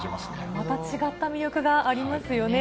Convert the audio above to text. また違った魅力がありますよね。